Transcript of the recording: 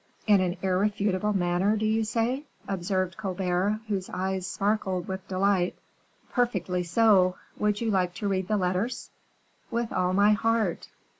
"In an irrefutable manner, do you say?" observed Colbert, whose eyes sparkled with delight. "Perfectly so; would you like to read the letters?" "With all my heart!